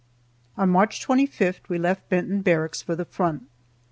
On March 25th we left Benton Barracks for the front.